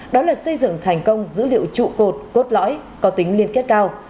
đó là xây dựng thành công dữ liệu trụ cột cốt lõi có tính liên kết cao